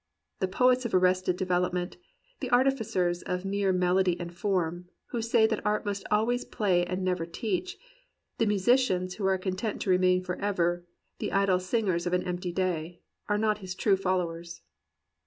'* The poets of arrested development, the artificers of mere melody and form, who say that art must always play and never teach, the musicians who are content to remain forever " The idle singers of an empty day," are not his true followers.